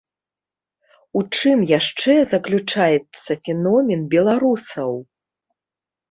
У чым яшчэ заключаецца феномен беларусаў?